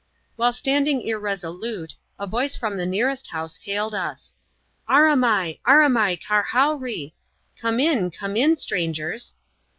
281 While standing irresolute, a voice &om the nearest house hailed us :" Aramai! aramai, karhowree!" ("Come in! crane in, strangers!")